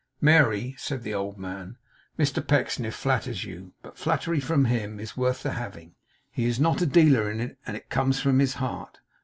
'Mary,' said the old man, 'Mr Pecksniff flatters you. But flattery from him is worth the having. He is not a dealer in it, and it comes from his heart.